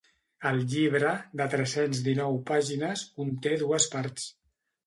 El llibre, de tres-cents dinou pàgines, conté dues parts.